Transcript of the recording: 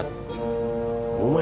dia dikasih obat